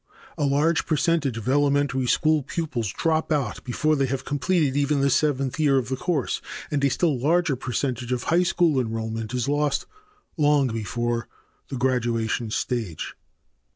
A large percentage of elementary school pupils drop out before they have completed even the seventh year of the course, and a still larger percentage of high school enrollment is lost long before the graduation stage.